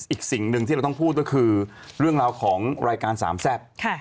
อีกสิ่งหนึ่งที่เราต้องพูดก็คือเรื่องราวของรายการสามแซ่บ